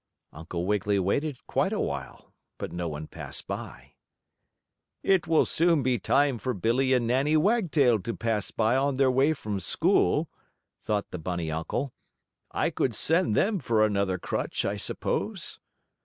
Uncle Wiggily waited quite a while, but no one passed by. "It will soon be time for Billie and Nannie Wagtail to pass by on their way from school," thought the bunny uncle. "I could send them for another crutch, I suppose."